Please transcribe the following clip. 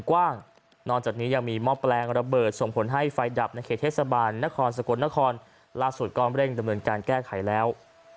เป็นกว้างนอนจากนี้ยังมีมอบแปลงระเบิดส่งผลให้ไฟดับในเขตเทศบาลนครสะกดนครล่าสูตรกล้อมเร่งดำเนินการแก้ไขแล้ว